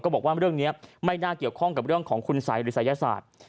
บอกว่าเรื่องนี้ไม่น่าเกี่ยวข้องกับเรื่องของคุณสัยหรือศัยศาสตร์